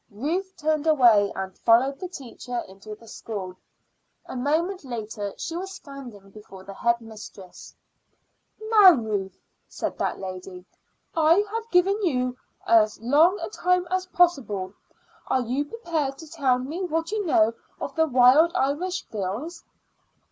Ruth turned away and followed the teacher into the school. A moment later she was standing before the head mistress. "Now, Ruth," said that lady, "I have given you as long a time as possible. Are you prepared to tell me what you know of the Wild Irish Girls?"